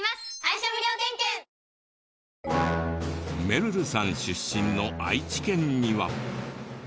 めるるさん出身の愛知県には。